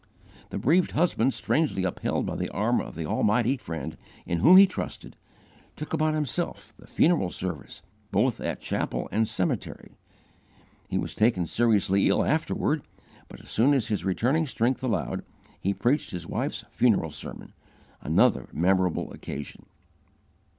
The bereaved husband strangely upheld by the arm of the Almighty Friend in whom he trusted, took upon himself the funeral service both at chapel and cemetery. He was taken seriously ill afterward, but, as soon as his returning strength allowed, he preached his wife's funeral sermon another memorable occasion.